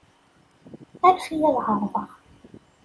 Anef-iyi ad ɛerḍeɣ.